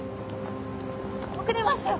遅れますよ。